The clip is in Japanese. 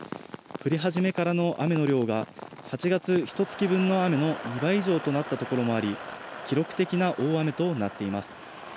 降り始めからの雨の量が８月ひとつき分の雨の２倍以上となった所もあり、記録的な大雨となっています。